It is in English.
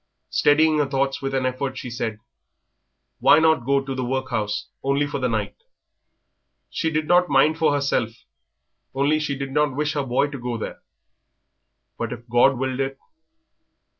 Steadying her thoughts with an effort, she said, "Why not go to the workhouse, only for the night?... She did not mind for herself, only she did not wish her boy to go there. But if God willed it...."